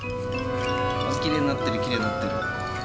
あきれいになってるきれいになってる。